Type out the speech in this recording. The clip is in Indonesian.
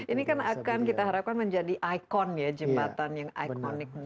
ini kan akan kita harapkan menjadi ikon ya jembatan yang ikonik